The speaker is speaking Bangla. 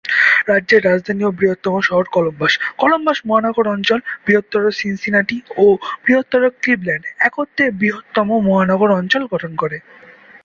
রাজ্যের রাজধানী ও বৃহত্তম শহর কলম্বাস; কলম্বাস মহানগর অঞ্চল, বৃহত্তর সিনসিনাটি ও বৃহত্তর ক্লিভল্যান্ড একত্রে বৃহত্তম মহানগর অঞ্চল গঠন করে।